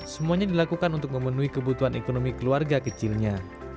semuanya dilakukan untuk memenuhi kebutuhan ekonomi keluarga kecilnya